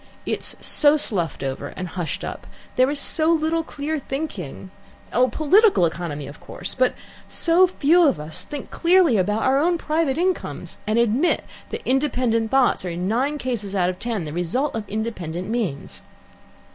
It is so sluffed over and hushed up, there is so little clear thinking oh, political economy, of course, but so few of us think clearly about our own private incomes, and admit that independent thoughts are in nine cases out of ten the result of independent means.